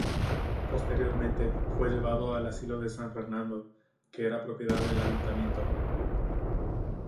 Posteriormente, fue llevado al asilo de San Fernando, que era propiedad del Ayuntamiento.